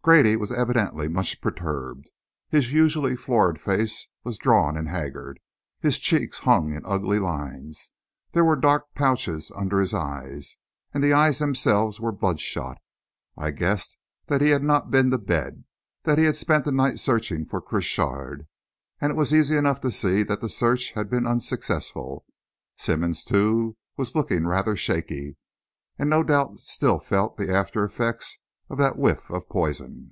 Grady was evidently much perturbed. His usually florid face was drawn and haggard, his cheeks hung in ugly lines, there were dark pouches under his eyes, and the eyes themselves were blood shot. I guessed that he had not been to bed; that he had spent the night searching for Crochard and it was easy enough to see that the search had been unsuccessful. Simmonds, too, was looking rather shaky, and no doubt still felt the after effects of that whiff of poison.